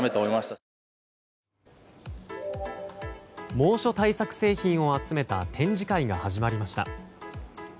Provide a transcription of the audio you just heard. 猛暑対策製品を集めた展示会が始まりました。